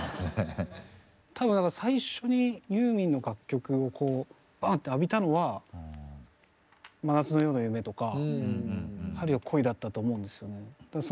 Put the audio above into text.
多分最初にユーミンの楽曲をこうバンッて浴びたのは「真夏の夜の夢」とか「春よ、来い」だったと思うんですよね。